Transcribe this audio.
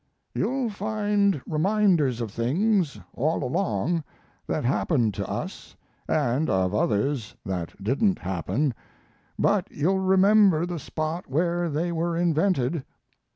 You'll find reminders of things, all along, that happened to us, and of others that didn't happen; but you'll remember the spot where they were invented.